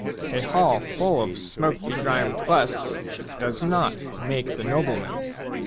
A hall full of smoke begrimed busts does not make the nobleman.